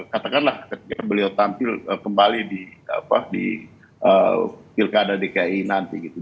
katakanlah ketika beliau tampil kembali di pilkada dki nanti gitu